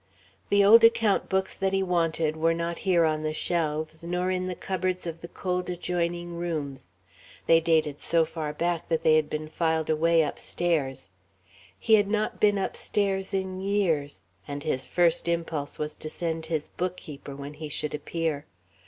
The old account books that he wanted were not here on the shelves, nor in the cupboards of the cold adjoining rooms. They dated so far back that they had been filed away upstairs. He had not been upstairs in years, and his first impulse was to send his bookkeeper, when he should appear.